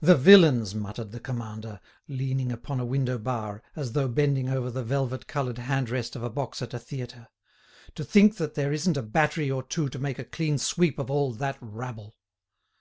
"The villains!" muttered the Commander, leaning upon a window bar, as though bending over the velvet covered hand rest of a box at a theatre: "To think that there isn't a battery or two to make a clean sweep of all that rabble!"